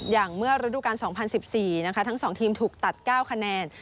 อย่างเมื่อรูดูการแล้ว๒๐๑๔ทั้งสองทีมก็ถูกตัด๙คะแนน